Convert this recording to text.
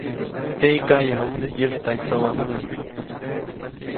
Teʼyi, kaʼyajubäde yäjtaʼy tsowamäʼa.